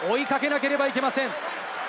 追いかけなくてはいけません。